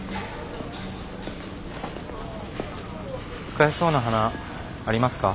使えそうな花ありますか？